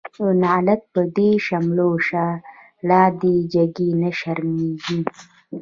تو لعنت په دی شملو شه، لا دی جګی نه شرميږی